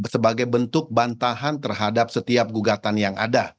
sebagai bentuk bantahan terhadap setiap gugatan yang ada